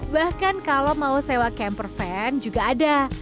bahkan kalau mau sewa camper van juga ada